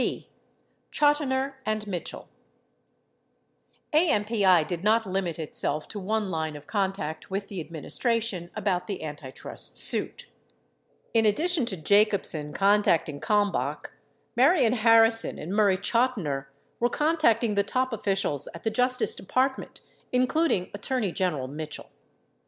17 b. Chotiner and Mitchell AMPI did not limit itself to one line of contact with the adminis tration about the antitrust suit; in addition to Jacobsen contacting Kalmbach, Marion Harrison arid Murray Chotiner were contacting the top officials at the Justice Department, including Attorney Gen eral Mitchell.